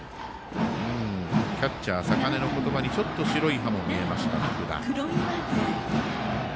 キャッチャー、坂根の言葉に少し白い歯も見えました、福田。